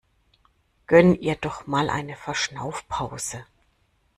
Gönn ihr doch mal eine Verschnaufpause!